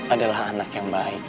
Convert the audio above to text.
adalah anak yang baik